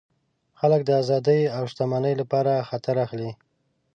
خلک د آزادۍ او شتمنۍ لپاره خطر اخلي.